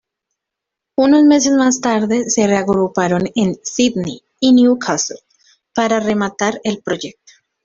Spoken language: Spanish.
Unos meses más tarde se reagruparon en Sídney y Newcastle para rematar el proyecto.